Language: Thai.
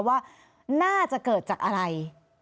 ว่าน่าจะเกิดจากอะไร